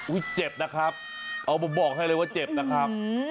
เจ็บนะครับเอามาบอกให้เลยว่าเจ็บนะครับ